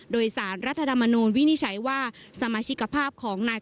โดยสารรัฐธรรมนูลวินิจฉัยว่าสมาชิกภาพของนาย